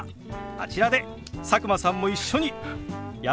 あちらで佐久間さんも一緒にやってみましょう！